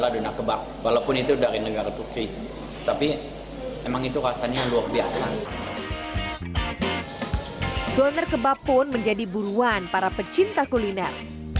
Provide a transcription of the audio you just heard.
kuliner kebab pun menjadi buruan para pecinta kuliner